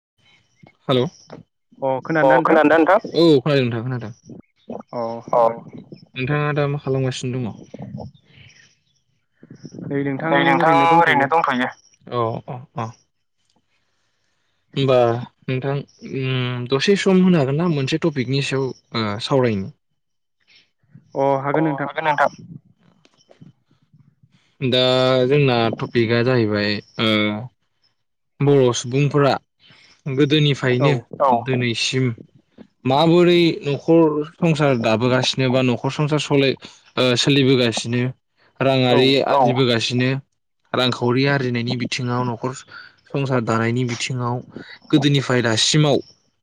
[inaudible] Hello अ खोनादों ना नोंथां? औ खोनादों नोंथां खोनादों अ। नोंथाङा दा मा खालामगासिनो दङ? नै नोंथां ओरैनो दंथ'यो। औ अ अ होमबा नोंथां उम दसे सम होनो हागोन ना मोनसे टपिकनि सायाव ओ सावरायनि अ हागोन नोंथां। दा जोंना टपिकआ जाहैबाय ओ बर' सुबुंफोरा गोदोनिफ्रायनो औ दिनैसिम माबोरै न'ख न'खर संसार दाबोगासिनो बा न'खर संसार सलाय ओ सोलिबोगासिनो? औ राङारि अ आदिबो गाय बिसिनो रांखावरि आरजिनायनि बिथिङाव न'खर सं [inaudible] संसार दानायनि बिथिङाव गोदोनिफ्राय दासिमाव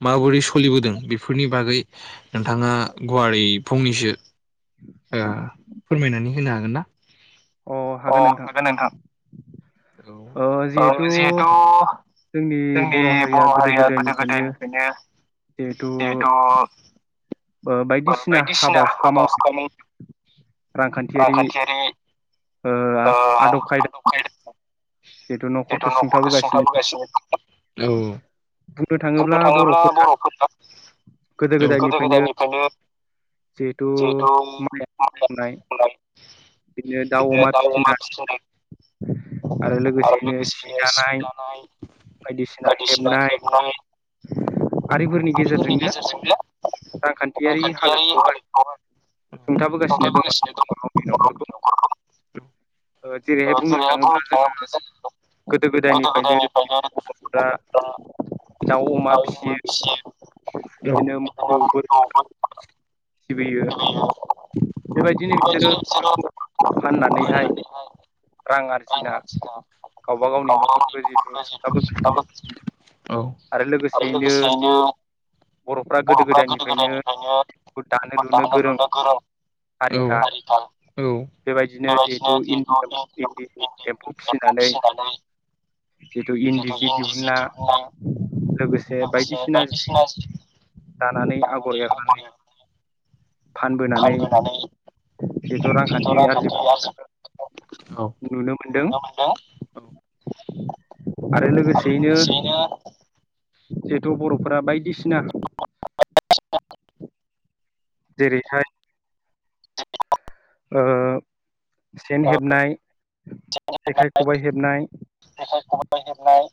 माबोरै सोलिबोदों बेफोरनि बागै नोंथाङा गुवारै फंनैसो ओ फोरमायनानै होनो हागोन ना? अ हागोन नोंथां ओ औ। जिहेथु औ जि टु जोंनि बर' हारिया गोदो गोदायनिफ्रायनो जिहेथु बायदिसिना हाबा हुखानि रांखान्थियारि ओ आदब खायदा जिहेथु न'खरखो सुं नखरखौ सुंथाबोगासिनो दं औ ओ बुंनो थाङोब्ला बर'फोरा औ गोदो गोदायनिफ्रायनो जिहेथु माइ आबाद माय मावनाय नाय बिदिनो दाउ अमा फिसिनाय आरो लोगोसेयैनो सि दानाय नाय बायदिसिना बायदि हेबनाय आरिफोरनि गेजेरजोंनो खान्थियारि रांखान्थियारि हालोदखौहाय सुंथाबोगासिनो दङ गावनि बर' न'खरखौ मिलौफोरखौ ओ जेरैहाय बुंनो थाङोब्ला जोङो गोदो गोद गोदायनिफ्रायनो गोदोनिफ्रायनो बर'फोरा दाउ, अमा फिसियो बिदिनो मोसौ, बोरमा सिबियो फियो बेबायदिनो बिसोरो हाखौ फाननानैहाय रां रां आरजिना आरजिग्रा गावबा गावनि न'खरखो जिहेथु सुंथाबोगासिनो औ आरो लोगोसेयैनो बर'फ्रा गोदो गोदायनिफ्रायनो दानो लुनो गोरों हारिखा हारि बेबायदिनो जिहेथु इन्दि एम्फौ फिसिनानै जिहेतु इन्दि जि दिहुना लोगोसे बायदिसिना जि जिहेथु दानानै आगर एवनानै फानबोनानै जिहेथु खान्थि रांखान्थि नुनो आरजि मोनदों औ नुनो मोनदों आरो लोगोसेयैनो जिहेथु बर'फोरा बायदिसिना सिना जेरैहाय ओ सेन ओ हेबनाय जेखाइ खबाय हेबनाय जेखाइ खबाइ हेबनाय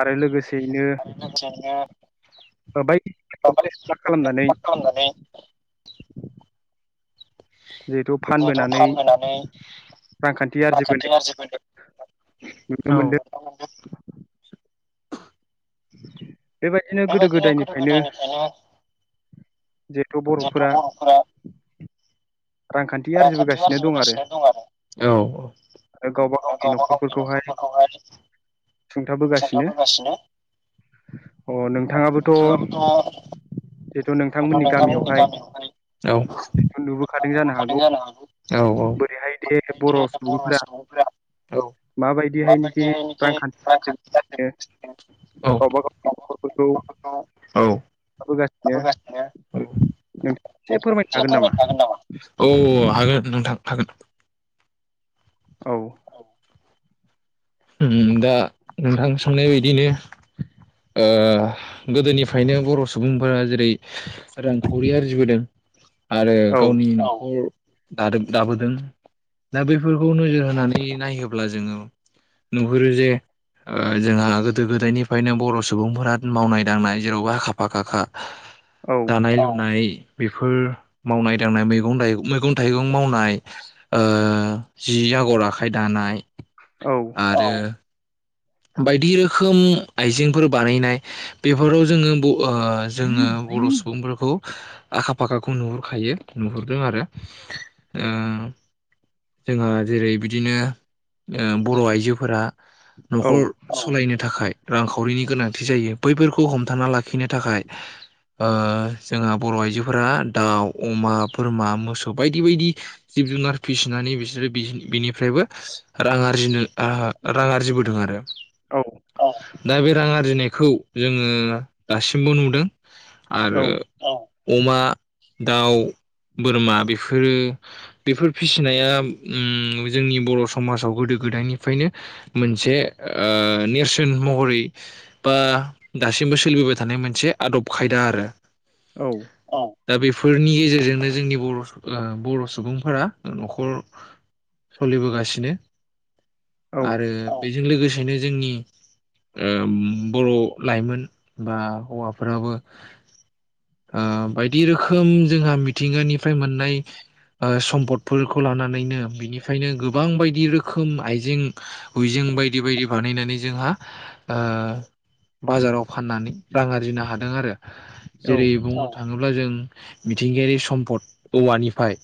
आरो लोगोसे बायदि खालामनानै [unintelligible] जिहेथु जिहथु फानबोनानै फानहोनानै रांखान्थि आरजिबोनाय रांखान्थि आरजिबदों नुनो मोनदों [inaudible] बेबायदिनो गोदो गोदायनिफ्रायनो जिहेथु बर'फोरा रांखान्थि औ औ आरजिबोगासिनो दं आरो गावबा गावनि न'खरफोरखौहाय सुंथाबोगासिनो होगासिनो अ नोंथाङाबोथ' जिथु नोंथांमोननि गामियावहाय जिथु नुबो थां नुबोखादों जानो हागौ? बोरैहाय दे बर' सुबुंफोरा औ माबायदिहायनोखि रांखान्थि आरजिबोदों औ गावबा गावनि न'खरफोरखौ औ सुंथाबोगासिनो एसे नोंथाङा एसे फोरमायनो हागोन नामा? नोंथां हागोन औ ओ दा नोंथां सोंनाय बायदिनो ओ गोदोनिफ्रायनो बर' सुबुंफोरा जेरै रांखावरि आरजिबोदों आरो औ गावनि न'खर दादों दाबोदों दा बैफोरखौ नोजोर होनानै नायोब्ला जोङो नुहुरो जे ओ जोंहा गोदो गोदायनिफ्रायनो बर' सुबुंफोरा मावनाय दांनाय जेरावबो आ खाफाखा। औ दानाय लुनाय बेफोर मावनाय दांनाय मैगं थाइगं मैगं थाइगं मावनाय ओ जि आगर आखाइ दानाय औ आरो बायदि रोखोम आइजेंफोर बानायनाय बेफोराव जोङो ब-ओ जोङो बर' सुबुंफोरखौ आखा फाखाखौ नुहुरखायो नुहुरदों आरो ओ जोंहा जेरै बिदिनो ओ बर' आइजोफोरा औ न'खर सालायनो थाखाय रांखावरिनि गोनांथि जायो। बैफोरखौ हमथाना लाखिनो थाखाय ओ जोंहा बर' आइजोफोरा दाउ, अमा, बोरमा, मोसौ बायदि बायदि जिब जुनार फिसिनानै बिसोरो बिनिफ्रायबो रां आरजिनो आ रां आरजिबो दों आरो। दा बे रां आरजिनाय खौ जोङो दासिमबो नुदों औ आरो अमा दाउ बोरमा बेफोरो बेफोर फिसिनाया उम जोंनि बर' समाजाव गोदो गोदायनिफ्रायनो मोनसे मोनसे ओ नेरसोन महरै बा दासिमबो सोलिबोबाय थानाय मोनसे आदब खायदा आरो औ। दा बेफोरनि गेजेरजोंनो जोंनि बर बर सुबुंफोरा नखर सोलिबोगासिनो औ आरो ओ बेजों लोगोसेनो जोंनि ओ बर लाइमोन बा हौवाफोराबो ओ बायदि रोखोम जोंहा मिथिंगानिफ्राय मोननाय ओ सम्पदफोरखौ लानानैनो बिनिफ्रायनो गोबां बायदि रोखोम आइजें उइजें बायदि बायदि बानायनानै जोंहा ओ बाजाराव फाननानै रां आरजिनो हादों आरो हो औ जेरै बुंनो थाङोब्ला जों मिथिंगायारि सम्पद औवानिफाय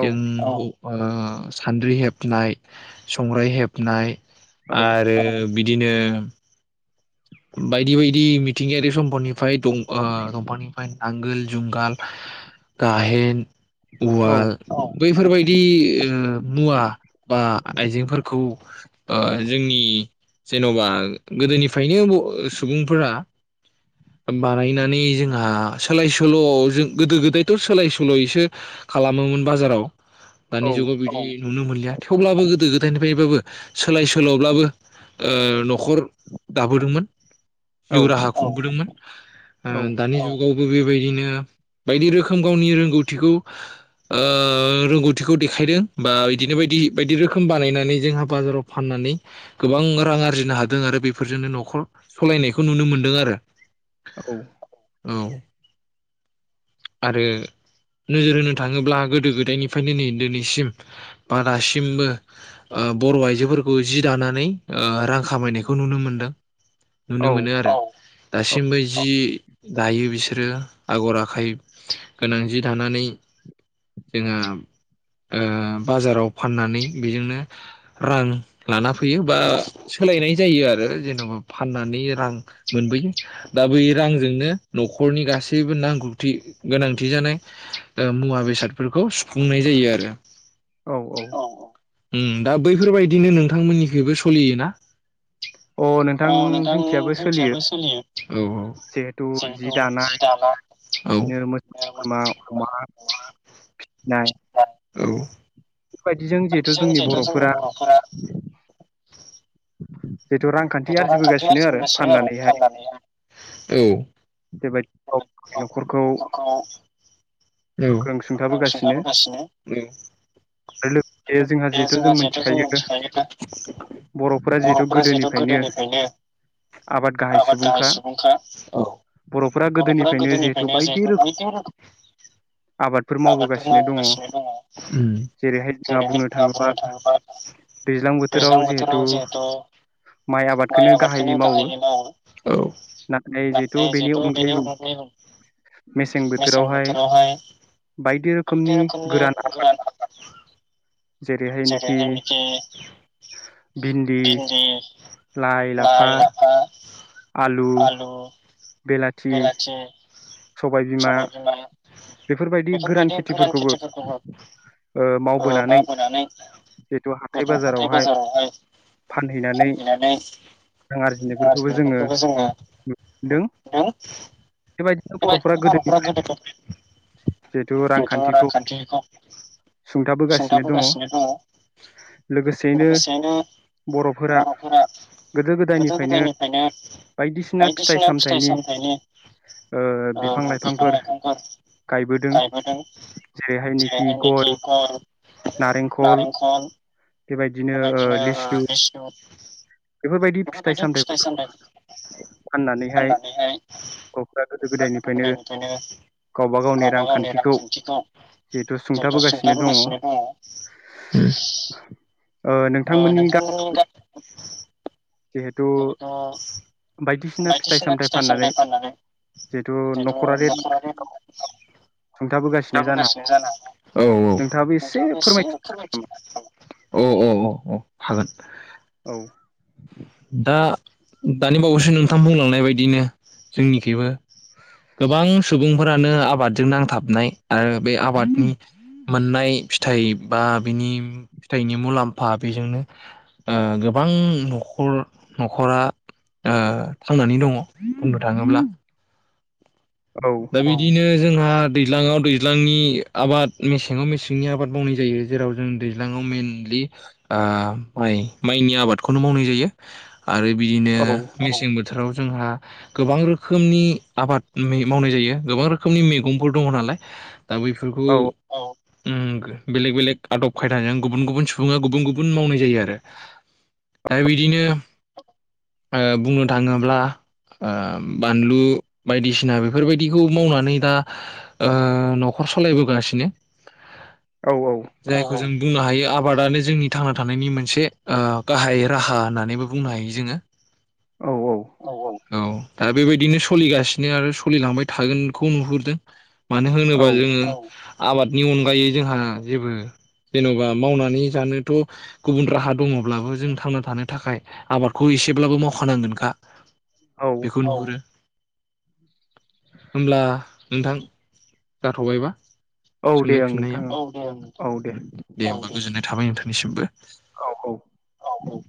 जों औ ओ सान्द्रि हेबनाय संग्राइ हेबनाय औ औ आरो‌ बिदिनो‌ बायदि बायदि मिथिंगायारि समफदनिफ्राय दं ओ दंफांनिफ्राय नांगोल जुंगाल गाहेन उवाल बैफोरबायदि ओ मुवा बा आइजेंफोरखौ‌‌ ओ जोंनि जेनबा गोदोनिफ्रायनो ओ सुबुंफोरा बानायनानै जोंहा सोलाय सोल जों गोदो गोदायथ सोलाय सोलसो खालामोमोन बाजाराव दानि जुगाव बिदि नुनो मोनलिया थेवब्लाबो गोदो गोद हाथायनिफ्रायबाबो सोलाय सोलब्लाबो ओ नखर दाबोदोंमोन जिउ राहा खुंबोदोंमोन ओ दानि जुगाव बेबायदिनो बायदि रोखोम गावनि रोंगौथिखौ ओ रोंगौथिखौ देखायदों बा बिदिनो बायदि बायदि रोखोम बानायनानै जोंहा बाजाराव फाननानै गोबां रां आरजिनो हादों आरो बेफोरजोंनो नखर सलायनायखौ नुनो मोनदों आरो औ औ आरो नोजोर होनो थाङोब्ला गोदो गोदायनिफ्रायनो नै दिनैसिम बा दासिमबो ओ बर आइजोफोरखौ जि दानानै ओ रां खामायनायखौ नुनो मोनदों नुनो औ मोनो आरो दासिमबो जि दायो बिसोरो आगर आखाइ गोनां जि दानानै जोंहा ओ बाजाराव फाननानै बेजोंनो रां लाना फैयो बा सोलायनाय जायो आरो जेनबा फाननानै रां मोनबोयो दा बै रांजोंनो नखरनि गासैबो नांगौथि गोनांथि जानाय ओ मुवा बेसादफोरखौ सुफुंनाय जायो आरो औ ओ ओ उम दा बैफोरबायदि बिदिनो नोंथांमोननिखैबो सोलियो ना अ नोंथां जोनथिंजाबो सोलियो औ औ जिहेथु जि दानाय औ खोमा अमा फिसिनाय औ बेफोरबायदिजों जिहेथु जोंनि बरफोरा जिहेथु रांखान्थि जिथु रांखान्थि आरजिबोगासिनो आरजि बोगासिनो आरो फाननानैहाय फाननानै हाय औ बेबायदि गाव गावनि नखरखौ औ गोख्रों सुंथाबोगासिनो ओं बे जिहेथु जों मिथिखायो बरफोरा जिहेथु गोदोनिफ्रायनो आबाद गाहाय सुबुंखा औ बरफोरा गोदोनिफ्रायनो जिहेतु बायदि रोखोम आबादफोर मावबोगासिनो दंङ उम जेरैहाय बुंनो थाङोबा दैज्लां बोथोराव जेहेथु माइ आबादखोनो गाहायै मावो औ नाथाय जिहेथु बेनि अनगायैबो मेसें बोथोराव हाय [inaudible] बायदि रोखोमनि गोरान आबाद जेरै जेरैहायनोखि हायनोखि भिन्दि भिनदि लाइ लाफा आलु बेलाथि सबाय बिमा बेफोर बायदि गोरान खेथिफोरखौबो ओ मावबोनानै जिहेथु जिहेतु हाथाय बाजारावहाय बाजाराव हाय फानहैनानै रां जोङो आरजिनायफोरखौबो जोंङो नुनो मोनदों नुदों। बेबायदिनो बेबायदि बरफोरा गोदोनिफ्राय गोदोफोर बेखौ रांखान्थिखौ सुंथाबोगासिनो दंङ लोगोसेयैनो बरफोरा गोदो गोदायनिफ्रायनो बायदिसिना फिथाइ सामथाइनि ओ बिफां लाइफांफोर गायबोदों जेरैहायनोखि जेरैहाय गय निकिंखल नारेंखल बेबायदिनो लिस्ट [unintelligible] बेफोरबायदि फिथाइ सामथाइफोरखौ [unintelligible] फाननानैहाय [unintelligible] गोदो गोदायनिफ्रायनो गावबा गावनि रांखान्थिखौ जिहेथु जिहेतु दङ सुंथाबोगासिनो दङ ओ नोंथांमोननि गा जिहेथु जिहेतु बायदिसिना फिथाइ सामथायाइ फाननानै जिहेतु नखरारि सुंथाबोगासिनो जानो हागो औ औ नोंथाङाबो नोंथाङो एसे फोरमायफिननो हागोन नामा? फोरमायथिना होगोन नामा औ औ हागोन औ दा दानि बावैसो नोंथां बुंलांनाय बायदिनो जोंनिखोबो गोबां सुबुंफोरानो आबादजों नांथाबनाय आरो बे आबादनि मोननाय फिथाइ बा बेनि फिथाइनि मुलाम्फा बेजोंनो ओ गोबां नखर उर नखरा दा थांनानै दङ बुंनो थाङोब्ला दा औ बिदिनो जोंहा दैज्लाङाव दैज्लांनि आबाद मेसेंङाव मेसेंनि आबाद मावनाय जायो जेराव जों दैज्लाङाव मेनलि माइ माइनि आबादखौनो मावनाय जायो। आरो बिदिनो औ मेसें बोथोर बोथोराव जोंहा गोबां रोखोमनि आबाद मावनाय जायो गोबां रोखोमनि मैगंफोर दंङ नालाय। दा बैफोरखौ औ उम बेलेग बेलेग आदब खायदाजों गुबुन गुबुन सुबुङा गुबुन गुबुन मावनाय जायो आरो दा बिदिनो बुंनो थांङोब्ला बानलु बायदिसिना बे बेफोरबायदिखौ मावनानै दा ओ न'खर सालायबोगासिनो। औ जायखौ जों बुंनो हायो आबादानो जोंनि थांना थानायनि मोनसे ओ गाहाय राहा होननानैबो बुंनो हायो जोङो। औ औ। औ दा बेबायदिनो सोलिगासिनो आरो सलिलांबाय थागोनखौ नुहुरदों। मानो औ होनोबा जोङो आबादनि अनगायै जोंहा जेबो जेन'बा मावनानै जानोथ' गुबुन राहा दङब्लाबो जों थांना थानो थाखाय आबादखौ एसेब्लाबो मावखानांगोनखा। औ बेखौ नुहुरो। होनब्ला नोंथां जाथ'बायबा औ दे सोंनाय ओं फिननाया नोंथां ओं औ दे नोंथां उम दे अब्ला गोजोननाय थाबाय नोंथांनिसिमबो। औ औ औ औ